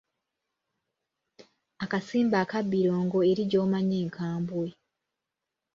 Akasimba akabbiro Ngo eri gy’omanyi enkambwe.